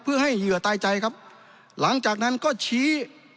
เพื่อให้เหยื่อตายใจครับหลังจากนั้นก็ชี้